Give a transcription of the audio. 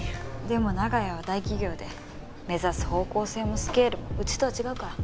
でも長屋は大企業で目指す方向性もスケールもうちとは違うから。